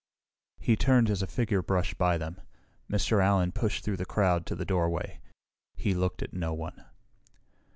He turned as a figure brushed by them. Mr. Allen pushed through the crowd to the doorway. He looked at no one.